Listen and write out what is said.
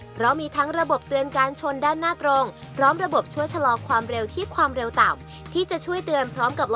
เพราะมีทั้งระบบเตือนการชนด้านหน้าตรงพร้อมระบบช่วยชะลอกความเร็วที่ความเร็วต่ำ